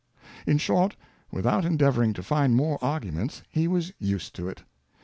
In short, without endeavouring to find more Arguments, he was used to it.